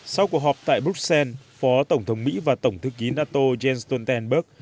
sau cuộc họp tại bruxelles phó tổng thống mỹ và tổng thư ký nato jens stoltenberg